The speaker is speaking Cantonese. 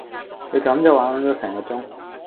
佢咁就玩撚咗成個鐘